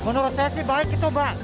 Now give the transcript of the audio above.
menurut saya sih baik itu mbak